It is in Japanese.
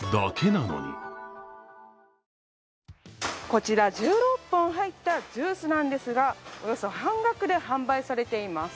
こちら、１６本入ったジュースなんですが、およそ半額で販売されています。